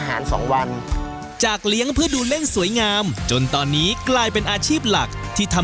แล้วมาโรคที่เป็นแบบภายนอกพวกเนี้ยมันจะเป็นพวกปรสิตแล้วก็สองก็คือโรคขี้เปื่อยหางเปื่อยเหือกเปื่อยพวกเนี้ยครับ